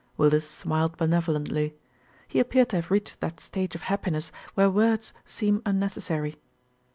Willis smiled benevolently. He appeared to have reached that stage of happiness where words seem un necessary.